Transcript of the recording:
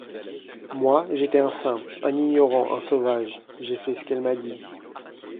Moi, j'étais un simple, un ignorant, un sauvage ; j'ai fait ce qu'elle m'a dit.